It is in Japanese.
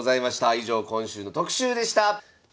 以上今週の特集でした。